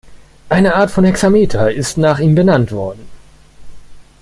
Eine Art von Hexameter ist nach ihm benannt worden.